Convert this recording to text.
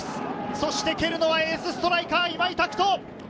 そして蹴るのはエースストライカー・今井拓人。